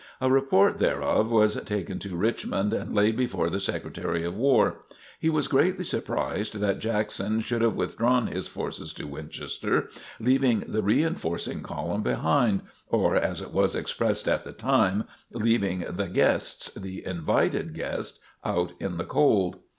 A report thereof was taken to Richmond and laid before the Secretary of War. He was greatly surprised that Jackson should have withdrawn his forces to Winchester, leaving the reinforcing column behind, or as it was expressed at the time, "leaving the guests, the invited guests, out in the cold."